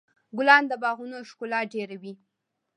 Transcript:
ګلان د باغونو ښکلا ډېروي.